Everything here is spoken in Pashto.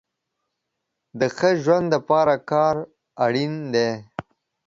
د ښه ژوند د پاره کار اړين دی